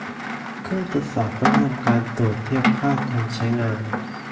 เครื่องตรวจสอบต้องทำการตรวจเทียบค่าก่อนใช้งาน